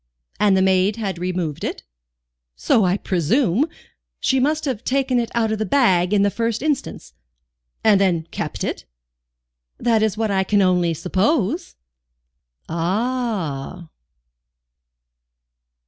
"And the maid had removed it?" "So I presume; she must have taken it out of the bag in the first instance." "And then kept it?" "That is what I can only suppose." "Ah!"